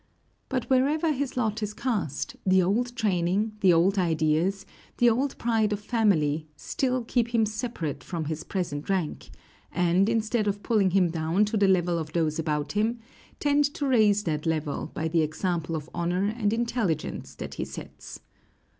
But wherever his lot is cast, the old training, the old ideals, the old pride of family, still keep him separate from his present rank, and, instead of pulling him down to the level of those about him, tend to raise that level by the example of honor and intelligence that he sets.